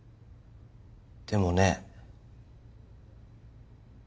でもね。